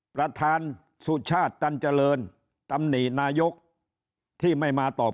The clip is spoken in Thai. ประธานสุชาติตันเจริญตำหนินายกที่ไม่มาตอบ